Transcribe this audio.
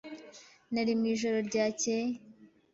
Nari mwijoro ryakeye.